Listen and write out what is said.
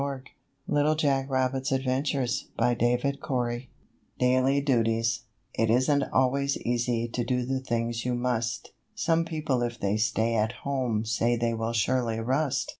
Little Jack Rabbit's Adventures Page 117] DAILY DUTIES It isn't always easy To do the things you must. Some people if they stay at home Say they will surely rust.